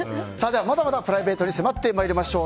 まだまだプライベートに迫って参りましょう。